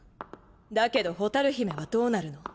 だけど蛍姫はどうなるの？